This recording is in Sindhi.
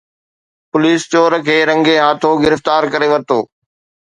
پوليس چور کي رنگي ہاتھوں گرفتار ڪري ورتو